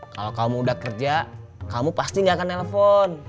kalau kamu udah kerja kamu pasti gak akan nelfon